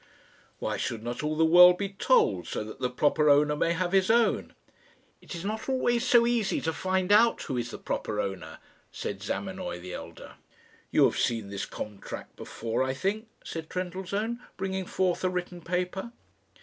"Why should not all the world be told, so that the proper owner may have his own?" "It is not always so easy to find out who is the proper owner," said Zamenoy the elder. "You have seen this contract before, I think, said Trendellsohn, bringing forth a written paper.